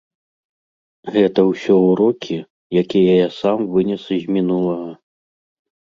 Гэта ўсё ўрокі, якія я сам вынес з мінулага.